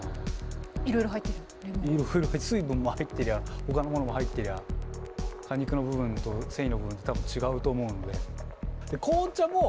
水分も入ってりゃほかのものも入ってりゃ果肉の部分と繊維の部分で多分違うと思うので。